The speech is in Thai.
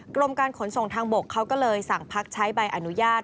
กรมการขนส่งทางบกเขาก็เลยสั่งพักใช้ใบอนุญาต